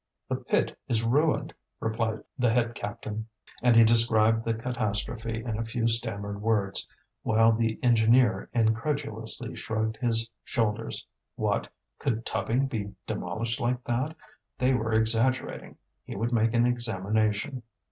"The pit is ruined," replied the head captain. And he described the catastrophe in a few stammered words, while the engineer incredulously shrugged his shoulders. What! could tubbing be demolished like that? They were exaggerating; he would make an examination.